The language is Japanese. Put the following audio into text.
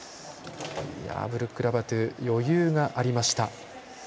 ブルック・ラバトゥ余裕がありました。